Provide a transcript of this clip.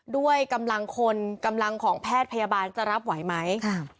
ด้วยกำลังคนกำลังของแพทย์พยาบาลจะรับไหวไหม